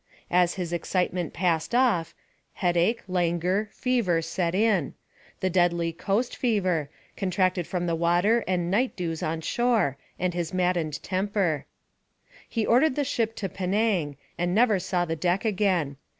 As his excitement passed off, headache, languor, fever, set in, the deadly coast fever, contracted from the water and night dews on shore and his maddened temper. He ordered the ship to Penang, and never saw the deck again.